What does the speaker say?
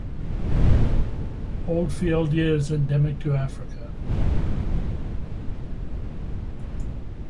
Oldfieldia is endemic to Africa.